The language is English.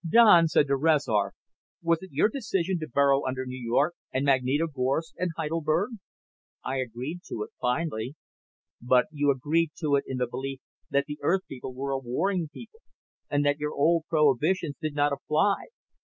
Don said to Rezar, "Was it your decision to burrow under New York and Magnitogorsk and Heidelberg?" "I agreed to it, finally." "But you agreed to it in the belief that the Earth people were a warring people and that your old prohibitions did not apply.